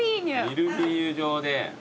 ミルフィーユ状で。